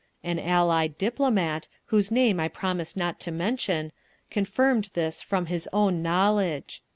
An Allied diplomat, whose name I promised not to mention, confirmed this from his own knowledge.